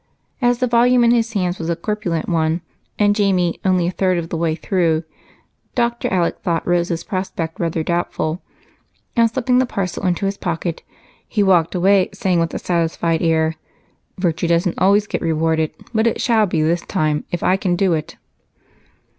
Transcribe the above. As the volume in his hands was a corpulent one, and Jamie only a third of the way through, Dr. Alec thought Rose's prospect rather doubtful and, slipping the parcel into his pocket, he walked away, saying with a satisfied air: "Virtue doesn't always get rewarded, but it shall be this time if I can do it."